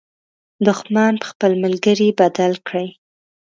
دښمن په خپل ملګري بدل کړئ.